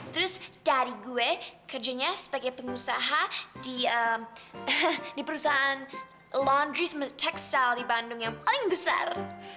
terus dari gue kerjanya sebagai pengusaha di perusahaan laundry texel di bandung yang paling besar